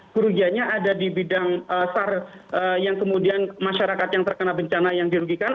kerugiannya ada di bidang masyarakat yang terkena bencana yang dirugikan